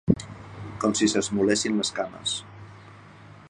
Com si s'esmolessin les cames